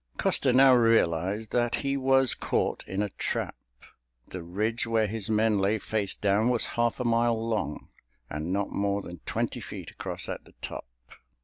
Custer now realized that he was caught in a trap. The ridge where his men lay face down was half a mile long, and not more than twenty feet across at the top.